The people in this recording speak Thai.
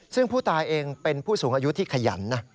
ซึ่งผู้ตายเองเป็นผู้สูงอายุที่ขยันนะ